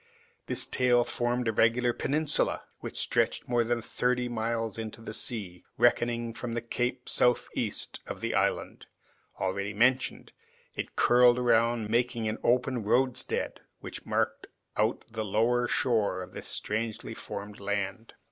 This tail formed a regular peninsula, which stretched more than thirty miles into the sea, reckoning from the cape southeast of the island, already mentioned; it curled round, making an open roadstead, which marked out the lower shore of this strangely formed land.